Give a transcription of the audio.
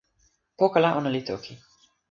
poka la ona li toki.